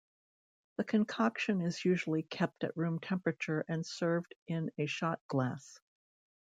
The concoction is usually kept at room temperature and served in a shot glass.